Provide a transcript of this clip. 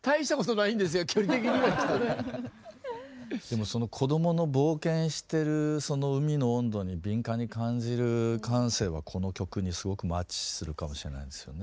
でもその子供の冒険してるその海の温度に敏感に感じる感性はこの曲にすごくマッチするかもしれないですよね。